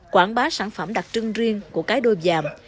quảng bá sản phẩm đặc trưng riêng của cái đôi dàm